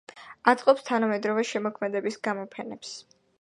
აწყობს თანამედროვე შემოქმედების გამოფენებს.